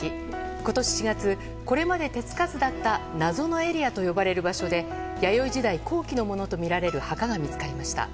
今年４月これまで手付かずだった謎のエリアと呼ばれる場所で弥生時代後期のものとみられる墓が見つかりました。